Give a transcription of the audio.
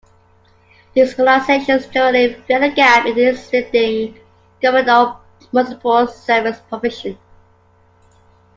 These organizations generally fill a gap in the existing government or municipal service provision.